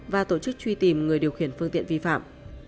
và tổ chức truy tìm người điều khiển phương tiện vi phạm